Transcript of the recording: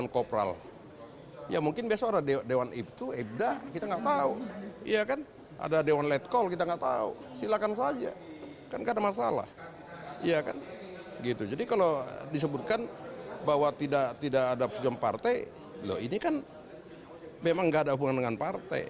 kalau tidak ada persiapkan partai ini kan memang tidak ada hubungan dengan partai